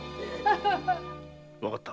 分かった。